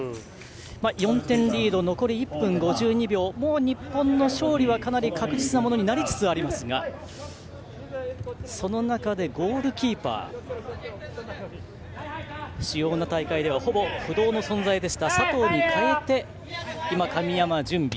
４点リードで残り２分ほどと日本の勝利はかなり確実なものになりつつありますがその中でゴールキーパー主要な大会ではほぼ不動の存在だった佐藤に代えて神山が準備。